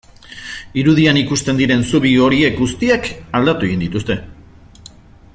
Irudian ikusten diren zubi horiek guztiak aldatu egin dituzte.